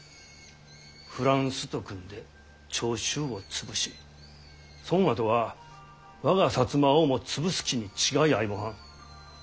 フランスと組んで長州を潰しそんあとは我が摩をも潰す気に違いあいもはん。